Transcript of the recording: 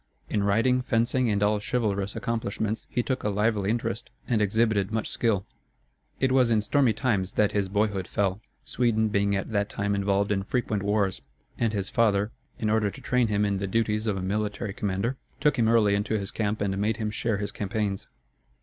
In riding, fencing, and all chivalrous accomplishments he took a lively interest and exhibited much skill. It was in stormy times that his boyhood fell, Sweden being at that time involved in frequent wars, and his father, in order to train him in the duties of a military commander, took him early into his camp and made him share his campaigns.